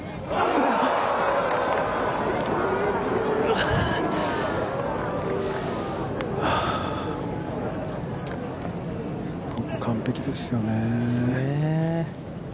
ほぼ完璧ですよね。